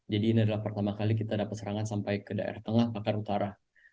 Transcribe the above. jadi ini adalah pertama kali kita dapat serangan sampai ke daerah tengah bahkan utara